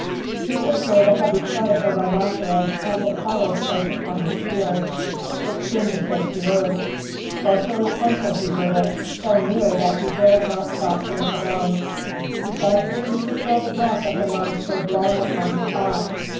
He could hear the heavy tread of the rhinoceros as it followed close upon his heels. It seemed to shake the earth. Closer and closer he heard it, so near that he dared not stop to look around. He fancied he could feel the breath of the monster blowing upon his back.